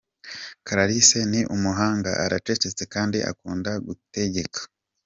Clarisse ni umuhanga, aracecetse kandi akunda gutegeka.